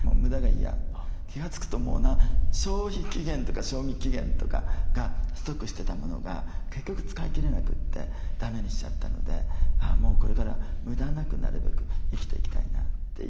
気が付くと消費期限とか賞味期限とかがストックしてたものが結局使い切れなくてだめにしちゃったのでもうこれから無駄なくなるべく生きていきたいなっていう。